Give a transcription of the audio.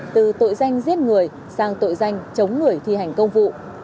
từ tội danh giết người sang tội danh chống người thi hành công vụ